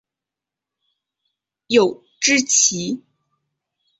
有脂鳍。